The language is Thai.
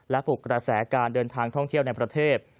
ถูกกระแสการเดินทางท่องเที่ยวในประเทศ